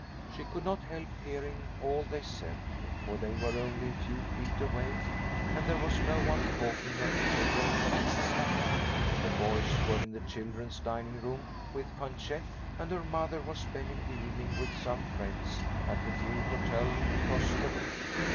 She could not help hearing all they said, for they were only a few feet away, and there was no one talking at the table where she sat. The boys were in the children's dining room with Fanchette, and her mother was spending the evening with some friends at the new hotel across the way.